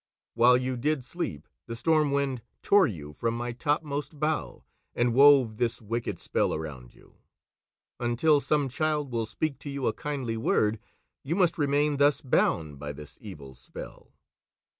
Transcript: "While you did sleep, the Storm Wind tore you from my topmost bough, and wove this wicked spell around you. Until some child will speak to you a kindly word, you must remain thus bound by this evil spell."